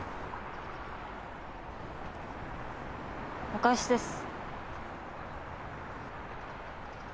お返しです。